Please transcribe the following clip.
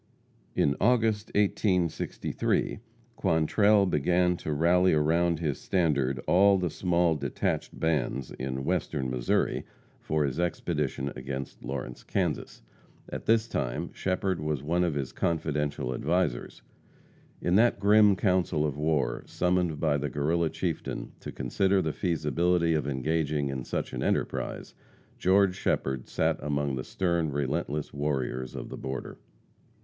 [Illustration: Geo. W. Shepherd.] In August, 1863, Quantrell began to rally around his standard all the small, detached bands in Western Missouri for his expedition against Lawrence, Kansas. At this time Shepherd was one of his confidential advisers. In that grim council of war, summoned by the Guerrilla chieftain to consider the feasibility of engaging in such an enterprise, George Shepherd sat among the stern, relentless warriors of the border.